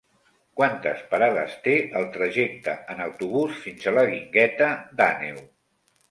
Quantes parades té el trajecte en autobús fins a la Guingueta d'Àneu?